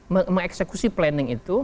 mengeksekusi planning itu